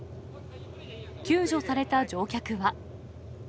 救助された乗客は。